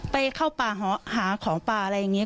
ไปเข้าป่าหาของป่าอะไรอย่างนี้